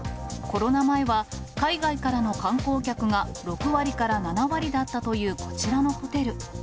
コロナ前は、海外からの観光客が６割から７割だったというこちらのホテル。